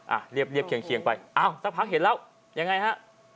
เรียบเรียบเคียงไปอ้าวสักพักเห็นแล้วยังไงฮะ